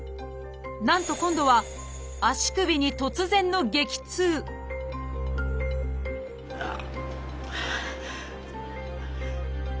なんと今度は足首に突然の激痛あっ！